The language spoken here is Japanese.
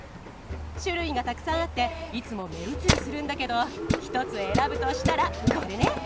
種類がたくさんあっていつも目移りするんだけど１つ選ぶとしたらこれね！